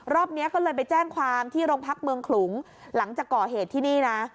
รอบนี้ก็เลยไปแจ้งความที่โรงพักเมืองขลุงหลังจากก่อเหตุที่นี่นะ